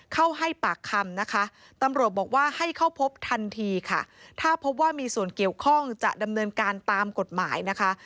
เข้าให้ปากคำนะคะตำรวจบอกว่าให้เข้าพบทันทีค่ะถ้าพบว่ามีส่วนเกี่ยวข้องจะดำเนินการตามกฎหมายนะคะ